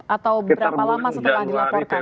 atau berapa lama setelah dilaporkan